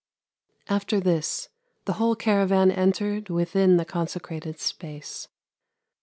After this the whole caravan entered within the consecrated space.